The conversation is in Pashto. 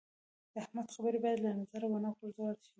د احمد خبرې باید له نظره و نه غورځول شي.